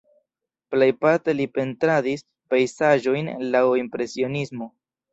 Plejparte li pentradis pejzaĝojn laŭ impresionismo.